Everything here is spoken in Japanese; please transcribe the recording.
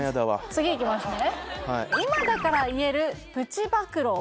次いきますね